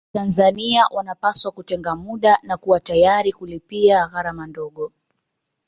Watanzania wanapaswa kutenga muda na kuwa tayari kulipia gharama ndogo